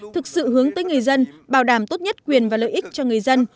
thực sự hướng tới người dân bảo đảm tốt nhất quyền và lợi ích cho người dân